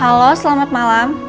halo selamat malam